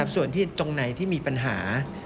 ส่วนที่ตรงไหนที่มีปัญหา